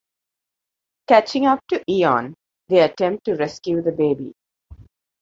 Catching up to Eon, they attempt to rescue the baby.